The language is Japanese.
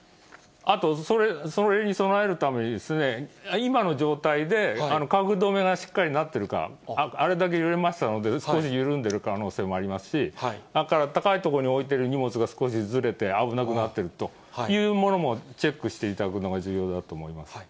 あと、それに備えるために今の状態で家具どめがしっかりなってるか、あれだけ揺れましたので、少し緩んでる可能性もありますし、だから高い所に置いている荷物が少しずれて危なくなってるというものもチェックしていただくのが重要だと思います。